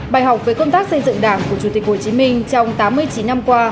bài học về công tác xây dựng đảng của chủ tịch hồ chí minh trong tám mươi chín năm qua